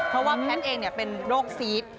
เพราะว่าแพทย์เองเป็นโรคซีด